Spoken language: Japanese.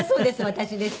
私です。